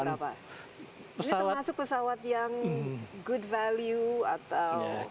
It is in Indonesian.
ini termasuk pesawat yang good value atau